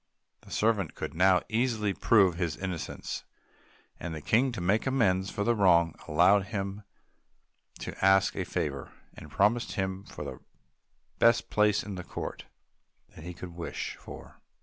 The servant could now easily prove his innocence; and the King, to make amends for the wrong, allowed him to ask a favor, and promised him the best place in the court that he could wish for.